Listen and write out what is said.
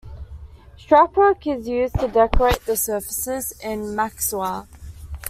Strapwork is used to decorate the surfaces in Mexuar.